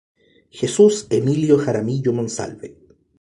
Jesús Emilio Jaramillo Monsalve.